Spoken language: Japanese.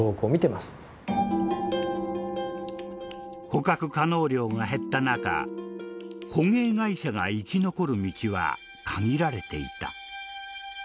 捕獲可能量が減った中捕鯨会社が生き残る道は限られていた。